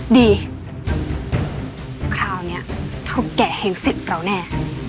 ดีคราวนี้เท่าแก่แห่งศึกเราแน่